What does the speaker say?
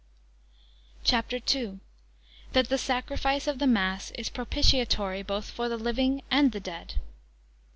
CHAPTER II. That the Sacrifice of the Mass is propitiatory both for the living and the dead.